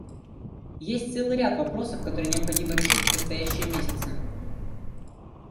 Есть целый ряд вопросов, которые необходимо решить в предстоящие месяцы.